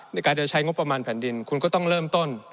ในการจะใช้งบประมาณแผ่นดินคุณก็ต้องเริ่มต้น